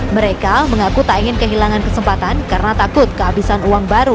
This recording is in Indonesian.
mereka mengaku tak ingin kehilangan kesempatan karena takut kehabisan uang baru